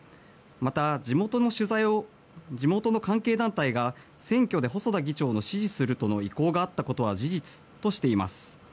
また、地元の関係団体が選挙で細田議長を支持するとの意向があったことは事実としています。